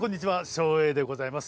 照英でございます。